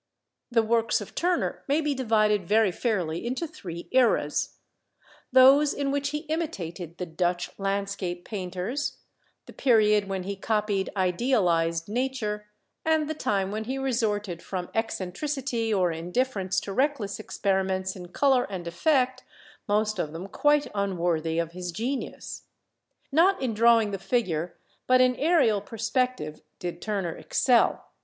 The works of Turner may be divided very fairly into three eras: those in which he imitated the Dutch landscape painters, the period when he copied idealised Nature, and the time when he resorted from eccentricity or indifference to reckless experiments in colour and effect most of them quite unworthy of his genius. Not in drawing the figure, but in aërial perspective, did Turner excel.